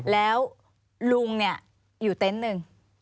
แล้วลุงอยู่เต็นต์หนึ่ง